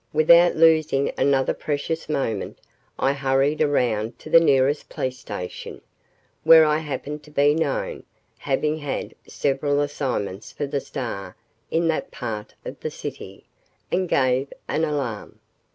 Without losing another precious moment I hurried around to the nearest police station, where I happened to be known, having had several assignments for the Star in that part of the city, and gave an alarm.